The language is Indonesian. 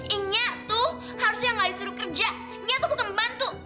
ini tuh harusnya gak disuruh kerja ini tuh bukan bantu